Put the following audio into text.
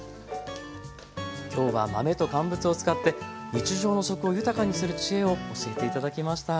今日は豆と乾物を使って日常の食を豊かにする知恵を教えて頂きました。